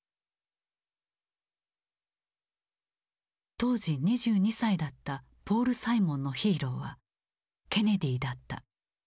当時２２歳だったポール・サイモンのヒーローはケネディだった。